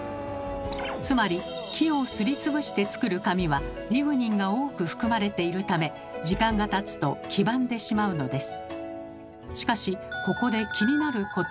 つまり木をすりつぶして作る紙はリグニンが多く含まれているため時間がたつと黄ばんでしまうのです。